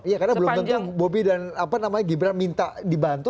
iya karena belum tentu bobby dan gibrang minta dibantu